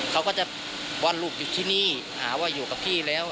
เขาก็จะว่าลูกอยู่ที่นี่หาว่าอยู่กับพี่แล้ว